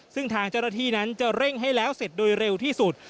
ซึ่งทางเจ้าหน้าที่นั้นจะเร่งให้แล้วเสร็จโดยเร็วที่สุด